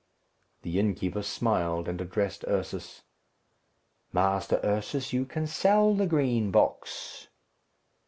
The innkeeper smiled, and addressed Ursus. "Master Ursus, you can sell the Green Box."